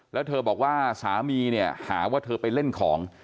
แล้วเธอบอกว่าสามีเนี่ยหาว่าเธอไปเล่นของ